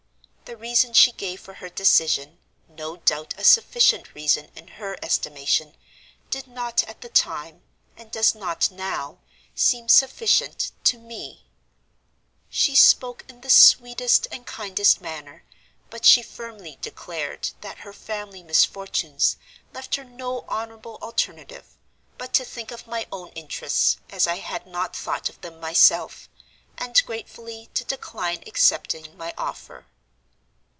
The reason she gave for her decision—no doubt a sufficient reason in her estimation—did not at the time, and does not now, seem sufficient to me. She spoke in the sweetest and kindest manner, but she firmly declared that 'her family misfortunes' left her no honorable alternative—but to think of my own interests as I had not thought of them myself—and gratefully to decline accepting my offer.